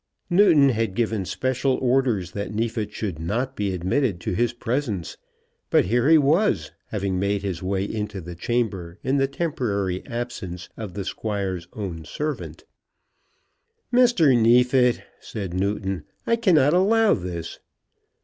Newton had given special orders that Neefit should not be admitted to his presence; but here he was, having made his way into the chamber in the temporary absence of the Squire's own servant. "Mr. Neefit," said Newton, "I cannot allow this."